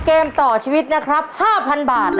เกมต่อชีวิตนะครับ๕๐๐๐บาท